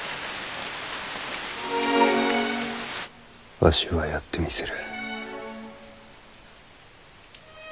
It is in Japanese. わしはやってみせる。